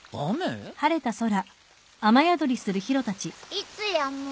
いつやむ？